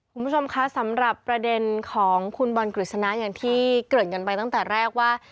คุณผู้ชมคะสำหรับประเด็นของคุณบอลกฤษณะอย่างที่เกริ่นกันไปตั้งแต่แรกว่า